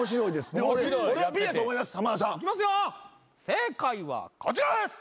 正解はこちらです！